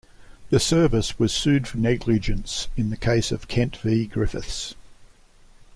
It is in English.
The service was sued for negligence in the case of Kent v Griffiths.